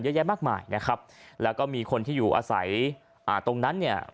เยอะแยะมากมายนะครับแล้วก็มีคนที่อยู่อาศัยอ่าตรงนั้นเนี่ย